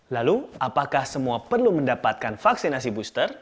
lalu apakah semua perlu mendapatkan vaksinasi booster